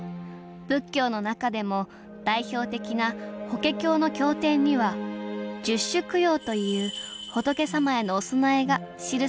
仏教の中でも代表的な「法華経」の経典には「十種供養」という仏様へのお供えが記されているそうです